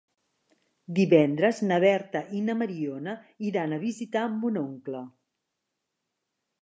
Divendres na Berta i na Mariona iran a visitar mon oncle.